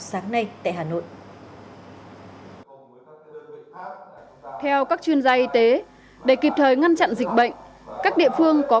sáng nay tại hà nội theo các chuyên gia y tế để kịp thời ngăn chặn dịch bệnh các địa phương có